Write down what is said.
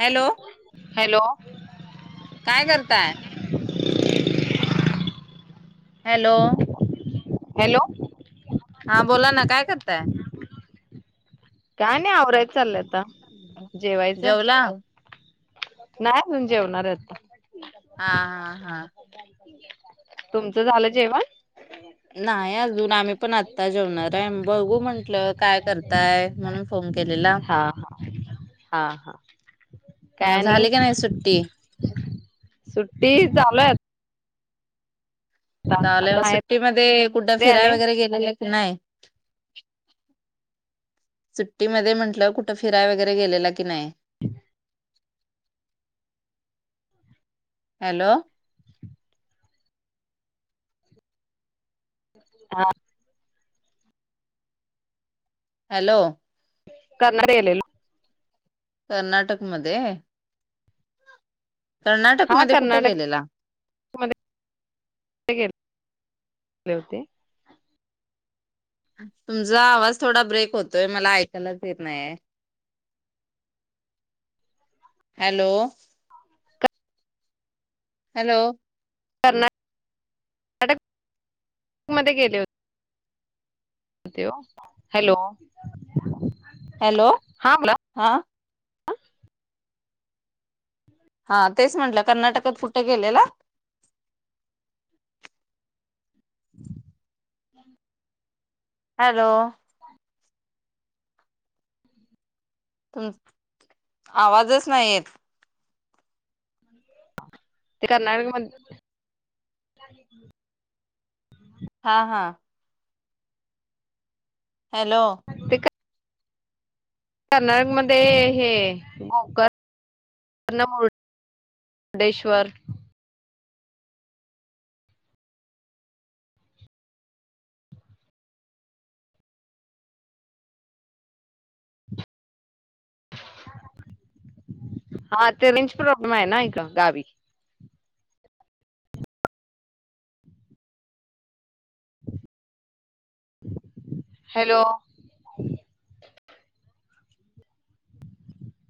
Hello hello [inaudible] काय करताय? Hello hello हा बोला ना काय करताय? काय नाही आवराय चालयं जेवला? नाही अजून जेवणार हाय आता हा हा हा तुमचं झालं जेवण? नाही अजून आम्ही पण आ आता जेवणार हाय बघू म्हण [unintelligible] काय करताय म्हणून फोन केलेला हा हा हा हा मग झाली काय नाही सुट्टी सुट्टी चालू आहे आता चालू आता हाय माहेरी सुट्टीमध्ये कुठं फिराय आले वगैरे गेले नाही सुट्टीमध्ये म्हंटलं कुठ फिराय वगैरे गेलेला की नाय हॅलो हा हॅलो [unintelligible] कर्नाटक मध्ये कर्नाटक हा मध्ये कुठ कर्नाटक गेलेला? मध्ये गेले [unintelligible] होते तुमचा आवाज थोडा ब्रेक होतोय मला ऐकायलाच येत नाहीय हॅलो हॅलो कना [inaudible] कर्नाटक मध्ये गेले होते हॅलो हॅलो हा आ हा तेच म्हंटलं कर्नाटकात कुठे गेलेला [inaudible] [inaudible] हॅलो [unintelligible] आवाजच नाही येत ते कर्नाटकम हा हा हॅलो ते कर्नाटक मध्ये हे गोकर्ण, मुर्डेश्वर हा ते रेंज प्रॉब्लेम आहे ना इथ गावी हॅलो